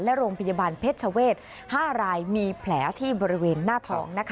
และโรงพยาบาลเพชรเวศ๕รายมีแผลที่บริเวณหน้าท้อง